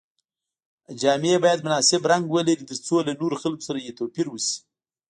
جامې باید مناسب رنګ ولري تر څو له نورو خلکو سره یې توپیر وشي.